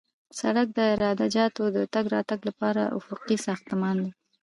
سړک د عراده جاتو د تګ راتګ لپاره افقي ساختمان دی